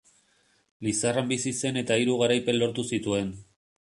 Lizarran bizi zen eta hiru garaipen lortu zituen.